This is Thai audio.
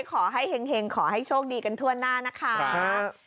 ขอให้เห็งขอให้โชคดีกันทั่วหน้านะคะ